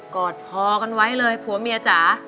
กอดพอกันไว้เลย